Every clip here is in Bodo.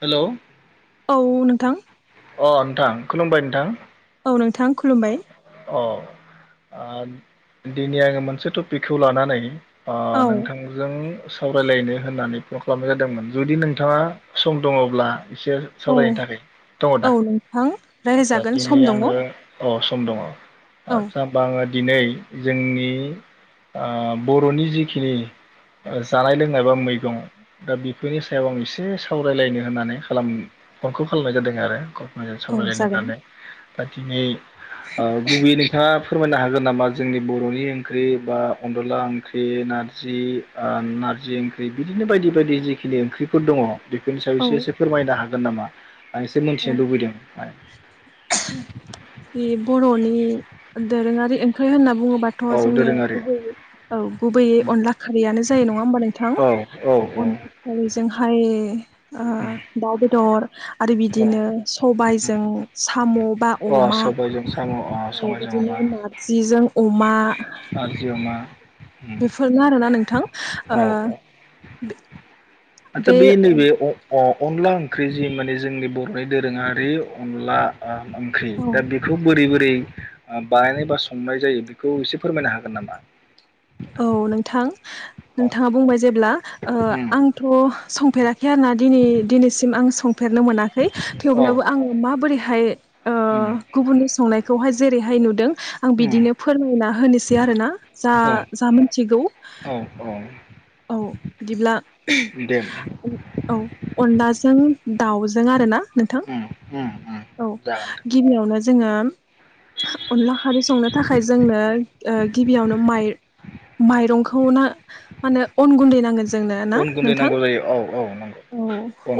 हेल'? औ नोंथां। अ नोंथां, खुलुमबाय नोंथां। औ नोंथां खुलुमबाय। अ ओ दिनै आङो मोनसे टपिकखौ लानानै ओ औ नोंथांजों सावरायलायनो होननानै फन खालामनाय जादोंमोन जुदि नोंथाङा सम दङब्ला। एसे औ सावरायनो थाखाय दङ औ दा नोंथां आदा रायज्लायजागोन दिनै सम दङ आङो अ सम दङ औ आदसा बां दिनै जोंनि आ बर'नि जिखिनि जानाय लोंनाय बा मैगं दा बेफोरनि सायाव आं एसे सावरायलायनो होननानै खालाम फनखौ खालामनाय जादों आरो। मोजां औ सावरायलायनो जागोन होननानै। दिनै अ गुबि नोंथाङा फोरमायनो हागोन नामा जोंनि बर'नि ओंख्रि बा अनदला ओंख्रि नारजि अ नारजि ओंख्रि बिदिनो बायदि बायदि जिखिनि ओंख्रिफोर दङ। बेफोरनि सायाव औ एसे एसे फोरमायनो हागोन। गोन नामा आं एसे मिथिनो औ लुबैदों। बे बर'नि दोरोङारि ओंख्रि होनना बुङोबाथ' औ जोंनिया दोरोङारि गुबैयै औ गुबैयै अनला खारैयानो जायो नङा होमबा नोंथां औ औ अनला खारैजोंहाय आ दाउ बेदर। आरो बिदिनो सबायजों साम' बा औ अ अमा। सबायजों साम' अ औ सबायजों बिदिनो अमा नारजिजों अमा मा बेफोरनो आरोना नोंथां ओ आतसा बे बि नैबे औ अ अनला ओंख्रि जि माने जोंनि बर'नि दोरोङारि अनला ओंख्रि दा बेखौ बोरै बोरै रै बानायनाय बा संनाय जायो बेखौ एसे फोरमायनो हागोन नामा। औ नोंथां औ नोंथाङा बुंबाय जेब्ला ओ आंथ' संफेराखै आरोना दिनै दिनैसिम आं सं फेरनो मोनाखै औ थेवब्लाबो आङो माबोरै हाय ओ गुबुननि संनायखौहाय जेरैहाय नुदों। आं बिदिनो फोरमायना होनोसै आरोना जा मा मिथिगौ औ औ औ बिदिब्ला दे [unintelligible] औ अनलाजों दाउजों आरोना नोंथां औ जागोन दे। गिबियावनो जोङो अनला खारै संनो थाखाय जोंनो ओ गिबि यावनो माइ माइरंखौ ना मा होनो अन गुन्दै नांगोन जोंनो ना अन गुन्दै नोंथां नांगौ जायो औ औ नांगौ औ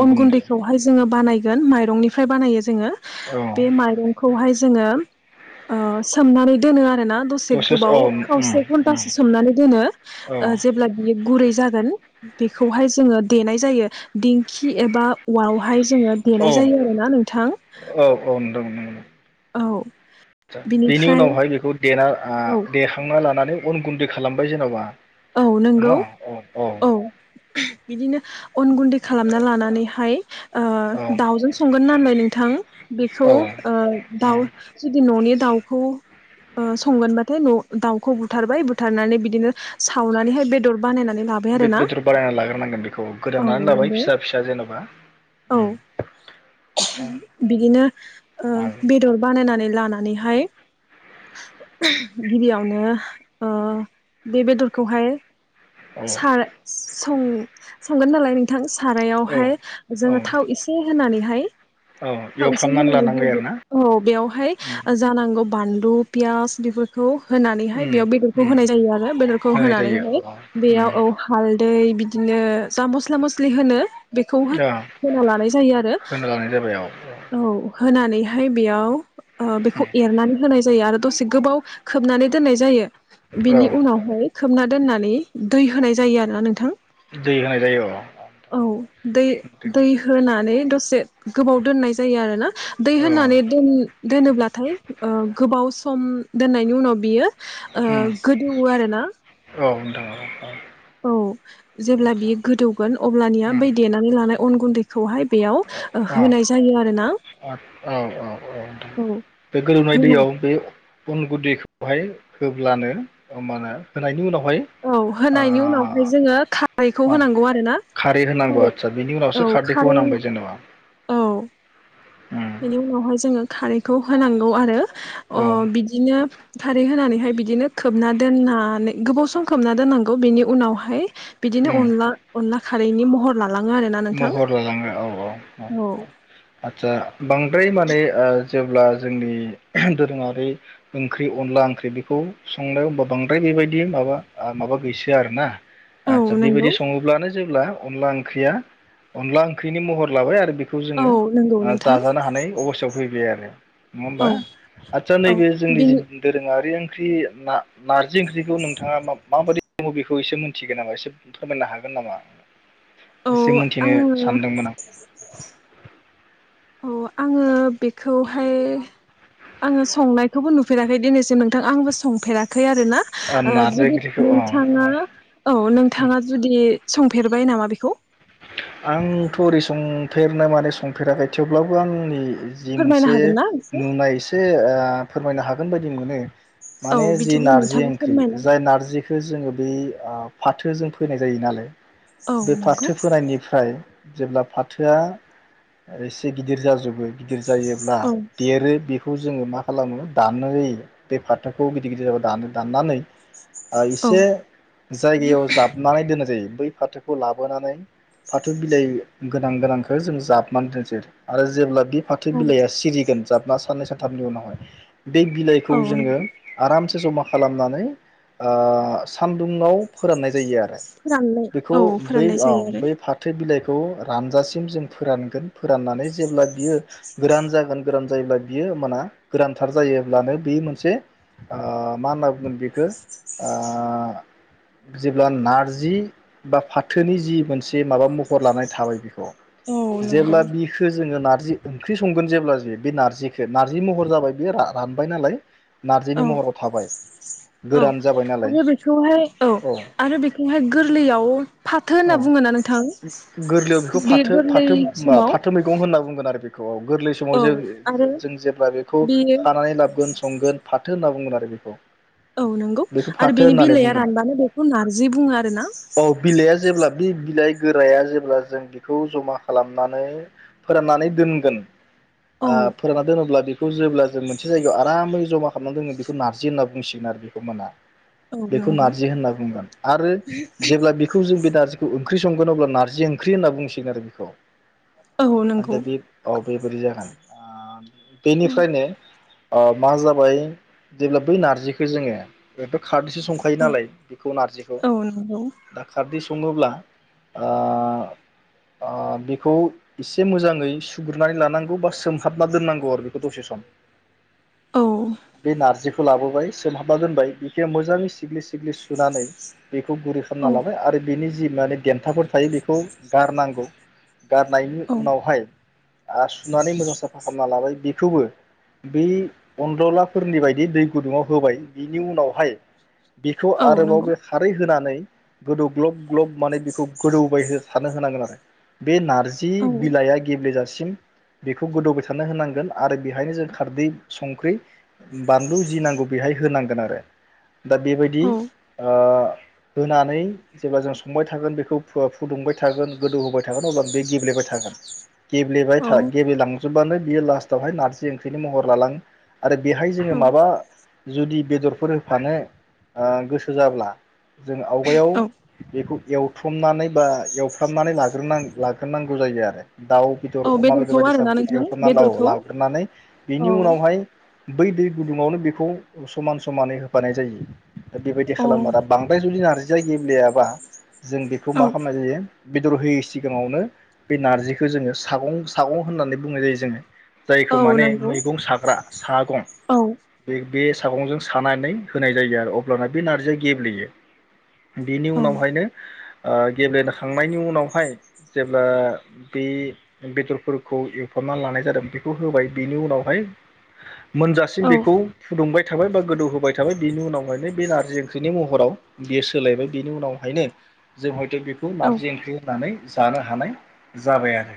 अन गुन्दै खौहाय जोङो बानायगोन माइरं निफ्राय बानायो। जोङो औ बे माइरं खौहाय जोङो ओ सोमनानै दोनो आरो। दसे गोबाव औ उम उम खावसे घन्टासो सोमनानै दोनो। औ गुरै जागोन बेखौहाय जोङो देनाय जायो दिंखि एबा उआल हाय जोङो औ देनाय जायो आरोना नोंथां। औ। आ बेनि बिनिफ्राय उनाव हाय बेखौ देना आ औ देखां लानानै अन गुन्दै खालाम बाय जेन'बा। औ नंगौ न औ औ। बिदिनो अन गुन्दै खालामना लानानै हाय ओ औ दाउजों संगोन नालाय नोंथां औ बेखौ ओ दाउ उम जुदि न'नि दाउखौ संगोन बाथाय न' दाउखौ बुथारबाय बुथारनानै बिदिनो सावनानै हाय बेदर बानायनानै लाबाय बे आरोना बेदर बानायना लाग्रोनांगोन बेखौ औ गोदानानै लाबाय नंगौ फिसा फिसा जेन'बा औ उम बिदिनो ओ औ बेदर बानायनानै लानानै हाय गिबियावनो ओ बे बेदरखौ हाय औ सार सं संगोन नालाय नोंथां सारायाव औ हाय औ जोङो थाव एसे होनानै हाय औ खौसे एवफ्रामनानै होनानै लानांबाय आरो हाय ना औ बेवहाय उम जानांगौ बानलु पियास बेफोरखौ होनानै हाय उम बेयाव बेदरखौ उम होनाय जायो आरो बेदरखौ होनाय होनानै जायो अ हाय उम बेयाव औ हालदै बिदिनो जा मस्ला मस्लि होनो बेखौ हाय औ होना लानाय जायो आरो। होना लानाय जाबाय औ औ। औ होनानैहाय बेयाव बेखौ ओम एरनानै होनाय जायो आरो दसे गोबाव खोबनानै दोननाय जायो औ बिनि उनावहाय खोब दोननानै दै होनाय जायो आरोना नोंथां दै होनाय जायो औ औ दै दै होनानै दसे गोबाव दोननाय जायो आरो ना दै औ होननानै दोन दोनोब्लाथाय ओ गोबाव सम दोननायनि उनाव बियो ओ गोदौवो आरो ना दङ औ जेब्ला बियो गोदौगोन अब्लानिया बै देनानै लानाय अन गुन्दैखौहाय बेयाव उम होनाय जायो आरोना उम उम उम उम नोंथां औ बे गोदौनाय होनो दैयाव बे अन गुदैखौहाय होब्लानो मा होनो होनायनि उनाव औ होनायनि उनावहाय जोङो खारैखौ औ होनांगौ आरो ना होनांगौ खारै आदसा बेनि उनावसो औ खारदैखौ खारै औ [unintelligible] बेनि उनावहाय जोङो खारैखौ होनांगौ आरो अ औ बिदिनो खारै होनानैहाय बिदिनो खोबना दोननानै गोबाव सम खोबना दोननांगौ बेनि उनावहाय बिदिनो उम अनला अनला खारैनि महर ला महर लालाङो औ औ औ औ आदसा बांद्राय माने ओ जेब्ला जोंनि दोरोङारि ओंख्रि अनला ओंख्रि बेखौ संनायाव होमबा बांद्राय बेबायदि माबा माबा गैसोआ आरोना औ आतसा नंगौ बेबायदि सङोब्लानो जेब्ला अनला ओंख्रिया अनला ओंख्रिनि महर लाबाय आरो बे खौ औ जोङो नंगौ नोंथां जाजानो हानाय अबस्थायाव फैबाय आरो [inaudible] नङा औ होमबा आदसा औ नैबे जोंनि जि बिनि दोरोङारि ओं ओंख्रि नारजि ओंख्रिखौ नोंथाङा मा माबायदि सङो बेखौ एसे मिथिगोन नामा एसे फोरमायनो हागोन नामा औ एसे मिथिनो आङो सानदोंमोन आं औ आङो बेखौहाय आङो संनायखौबो नुफेराखै दिनैसिम नोंथां आंबो संफेराखै आरोना ओ नारजि जुदि ओंख्रिखौ नोंथाङा औ औ नोंथाङा जुदि संफेरबाय नामा बेखौ खौ आंथ' ओरै संथेरनो माने संफेराखै थेवब्लाबो आंनि जि फोरमायनो मोनसे हागोन ना एसे नुनाय एसे ओ फोरमायनो हागोन बायदि मोनो औ माने जि बिदिब्ला नारजि नोंथाङा ओंख्रि फोरमायना जाय नारजिखो जोङो बे आ फाथोजों फोनाय जायो नालाय औ नोंगौ थो फोनायनिफ्राय जेब्ला फाथोआ एसे गिदिर जाजोबो गिदिर जायोब्ला औ देरो बे खौ जोङो मा खालामो दाननो बे फाथोखौ गिदिर गिदिर जाबा दानो दाननानै ओ औ एसे जायगायाव जाबनानै दोननाय जायो बै फाथोखौ लाबोनानै फाथो बिलाइ गोनां गोनांखो जों जाबनानै दोनसै आरो जेब्ला बे फाथो औ बिलाइआ सिरिगोन जाबना साननै सनथामनि उनावहाय बे बिलाइखौ औ जोङो नंगौ आराम से जमा खालामनानै ओ सानदुंआव फोरनाय जायो आरो फोराननाय बेखौ औ बै फोराननाय जायो ओ आरो बै फाथो बिलाइ खौ रानजासिम जों फोरानगोन फोराननानै जेब्ला बियो गोरान जागोन गोरान जायोब्ला बियो माना गोरानथार जायोब्लानो बे मोनसे ओ मा ओनना बुंगोन बेखो ओ जेब्ला नारजि बा फाथोनि जि मोन से माबा महर लानाय थाबाय बिखौ औ नंगौ जेब्ला बिखो जोङो नार जि ओंख्रि संगोन जेब्ला जि बे नार्जिखो नारजि महर जाबाय बियो रा-रानबाय नालाय नारजिनि औ महराव थाबाय औ गोरान जाबाय नालाय आरो बेखौहाय औ आरो बेखौहाय गोरलैयाव फाथो होनना औ बुङो ना गोरलैयाव बेखौ फाथो-फाथो ओम्बा समाव फाथो मैगं होनना बुंगोन आरो बे [unintelligible] गोरलै समाव औ आरो जों-जों जेब्ला बेखौ बेयो खानानै लाबगोन संगोन फा थो होनना बुंगोन आरो बेखौ औ नोंगौ बेखौ आरो फाथो बेनि होननानै बिलाइआ बुंगोन रानबानो बेखौ नार्जि बुङो आरो ना बि बिलाइ गोराया जेब्ला जों बिखौ जमा खालामनानै फोराननानै दोनगोन औ आ फोरानना दोनोब्ला बेखौ जेब्ला जों मोनसे जायगायाव आरामै जमा खामनानै दोनोन बेखौ नारजि होनना बुंसिगोन आरो बेखौ ओमाना। औ बेखौ नंगौ नारजि होनना बुंगोन आरो जेब्ला बिखौ जों बे नारजिखौ ओं ख्रि संगोन अब्ला नारजि ओंख्रि होनना बुंसिगोन आरो बिखौ। औ नंगौ आगदा दीप औ बेबादि जागोन ओ बेनिफ्रायनो ओ मा जाबाय जेब्ला बै नारजिखौ जोङो खारदैसो संखायो औ नालाय बेखौ नारजिखौ औ नंगौ खार दिस संङोब्ला ओ-ओ बेखौ एसे मोजाङै सुग्रुनानै लानांगौ बा सोमहाबना दोननांगौ आरो बेखौ दसे सम औ बे नारजिखौ लाबोबाय सोमहाबना दोनबाय बिखि मोजाङै सिग्लि-सिग्लि सुनानै बेखौ गुरै खालामना औ लाबाय आरो बेनि जि माने देन्थाफोर थायो बेखौ गारनांगौ गारनायनि औ उनावहाय ओ सुनानै मोजां साफा खालामना लाबाय बेखौबो बै अनदलाफोरनि बायदि दै गुदुङाव होबाय बिनि उनावहाय बेखौ औ आरोबाव नंगौ बे खारै होनानै गोदौ ग्लब-ग्लब माने बे खौ गोदौबाय थानो होनांगोन आरो बे नारजि औ बिलाइआ गेब्लेेजासिम बेखौ गोदौबाय थानो होनांगोन आरो बेहायनो जों खारदै संख्रि बानलु जि नांगौ बेहाय होनांगोन आरो दा बेबायदि औ होनानै जेब्ला जों संबाय थागोन बे खौ फुदुंबाय थागोन गोदौ होबाय थागोन अब्ला बेयो गेब्लेबाय थागोन औ गेब्लेबायथा-गेब्लेलांजोबबानो बियो लास्टआवहाय नारजि ओंख्रिनि महर लालाङो आरो बेहाय जोङो औ माबा जुदि बेदरफोर होफानो गोसो जाब्ला जों आवगायाव औ बेखौ बेयाव थुमनानै बा एवफ्रामनानै लाग्रो-लाग्रोनांगौ जायो आरो। दाउ बेदर औ अमा बेदर बेदरखौ आरोना बायदिसिनाफोरखौ नोंथां एवग्रनानै ला बेदरखौ लाग्रोनानै बेनि औ उनावहाय बै दै गुदुङावनो बेखौ समान समानै होफानाय जायो। दा बेबायदि औ खालाम आरो बांद्राय जुदि नारजि या गेब्लेयाबा जों बेखौ औ मा खालामानाय जायो बेदर होयै सिगाङावनो बे नारजिखौ जोङो सागं सागं होननानै बुंनाय जायो जोङो जायखौ औ माने नंगौ मैगं साग्रा सागं औ बे बे सागंजों सानानै होनाय जायो आरो अब्लाना बे नारजिया गेब्लेयो। बेनि औ उनावहायनो ओ गेब्लेनोखांनायनि उनावहाय जेब्ला बे बेदरफोरखौ एवफाबनानै लानाय जादों बेखौ होबाय बेनि उनावहाय मोनजासिम औ बेखौ फुदुंबाय थाबाय बा गोदौ होबाय थाबाय बिनि उनाव हायनो बे नारजि ओंख्रिनि महराव बियो सोलायबाय बिनि उनावहायनो जोबोद जे बेखौ औ नारजि ओंख्रि होनानै जानो हानाय जाबाय आरो।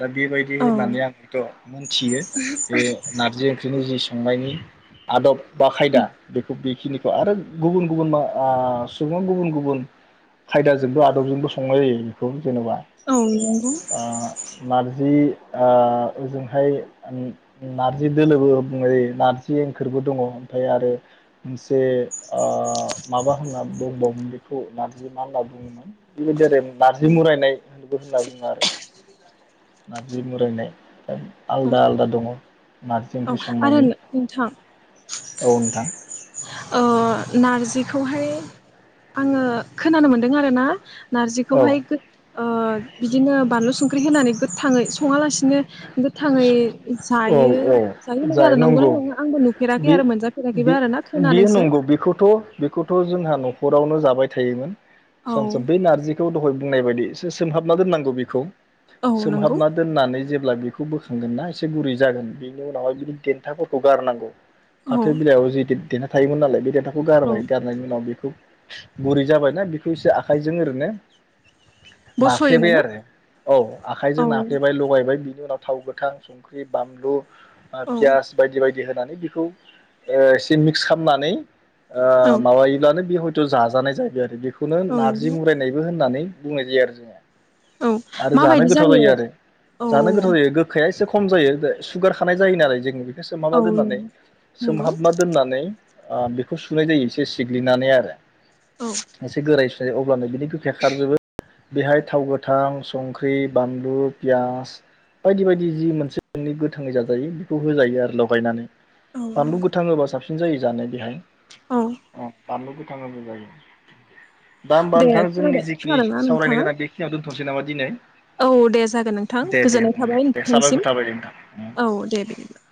दा बेबायदि होननानै आं हयथ मोनथियो बे नारजि ओंख्रिनि जि सांनायनि आदब बा खायदा बेखौ बेखिनि आरो गुबुन गुबुन मा आ सुबुंया गुबुन गुबुन खायदाजोंबो आदबजोंबो संनाय जायो बेखौ। जेनेबा औ नंगौ आ नारजि ओ ओजोंहाय नारजि दोलोबो बुंनाय जायो नारजि ओंख्रिबो दंङ ओमफाय आरो मोनसे आह माबा होनना बुंबावोमोन बेखौ नारजि मा होनना बुंङोमोन बेबायदि आरो नारजि मुरायनाय होनबो होनना बुंङो आरो नारजि मुरायनाय दा आलदा आलदा दंङ। औ आरो नोंथां औ नोंथां। ओ नारजिखौहाय आंङो खोनानो मोनदों आरोना औ नारजिखौहाय गो ओ बिदिनो बानलु सुं ख्रि होनानै गोथांङै संङालासिनो गोथांङै औ जायो औ जायो जाय आरो नंगौना नंगौ नंङा आंबो नुफेराखै आरो मोनजाफेराखैबो आरोना। बियो नंगौ बेखौथ' बेखौथ' जोंहा न'खरावनो जाबाय थायोमोन। औ सानसोब बै नारजिखौ दहाय बुंनाय बायदिसो सोमहाबना दोननांगौ बेखौ। औ नंगौ। नानै जेब्ला बेखौ बोखांगोन ना एसे गुरै जागोन बेनि उनावहाय बिनि देन्थाफोरखौ गारनांगौ औ फाथो बिलाइयाव जैथेथ देना थायोमोन नालाय बे देनथा खौ औ गारबाय गारनायनि उनाव बेखौ गुरै जाबायना बेखौ एसे आखाइजों ओरैनो बस'यो नाफ्लेबाय नामा आरो औ औ आखाइजों ना सेबाय लगायबाय बिनि उनाव थाव गोथां संख्रि बानलु ओ औ पियास बायदि बाय दि होनानै बेखौ ओ एसे मिक्स खालामनानै ओ औ माबायोब्लानो बिहय थु जाजानाय जाहैबाय आरो बियो बेखौनो औ नारजि नंगौ मुरायनायबो होननानै बुंनाय जायो आरो जोंङो। औ माबायदि जायो? औ जानो गोथाव जायो गोखा एसे खम जायो सुगार खानाय जायोनालाय आरो जों सोमहाबाना औ दोननानै नंगौ सोमहाबना दोननानै ओ बेखौ सुनाय जायो एसे सिग्लिनानै आरो औ एसे गोरायै अब्लानो बिनि गोखाया खारजोबो बेहाय थाव गोथां संख्रि बानलु- पियास बायदि बायदि जि मोनसे नोंनि गोथाङै जाजायो बेखौ होजायो आरो लगायनानै। औ बानलु नंगौ गोथां होबा साबसिन- जायो जानो बेहाय औ अ बानलु गोथाङाबो जायो। दा होमबा दे नोंथां जोंनि खोनादों जिखिनि खोनादोंना सावरायायनो नोंथाङा गोनां बेखिनियावनो दो सै नामा दिनै? औ दे जागोन नोंथां दे दे गोजोननाय नोंथां दे थाबाय दे नोंथांसिम साबायखर थाबाय दे नोंथां। औ दे बिदिब्ला